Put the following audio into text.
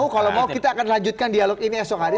kalau mau kita akan lanjutkan dialog ini esok hari